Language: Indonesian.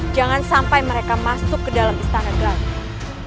jangan sampai mereka masuk ke dalam istana gratis